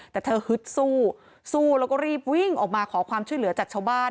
แต่เธอฮึดสู้สู้แล้วก็รีบวิ่งออกมาขอความช่วยเหลือจากชาวบ้าน